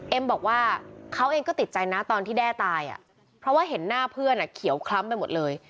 บอกว่าเขาเองก็ติดใจนะตอนที่แด้ตายเพราะว่าเห็นหน้าเพื่อนเขียวคล้ำไปหมดเลย